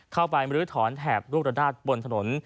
เข้าไปมรือถอนแถบรูปรดาสบนถนน